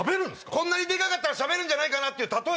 こんなにでかかったらしゃべるんじゃないかって例え！